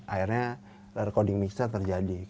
akhirnya recording mixer terjadi